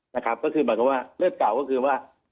นะครับก็คือหมายความว่าเลือดเก่าก็คือว่า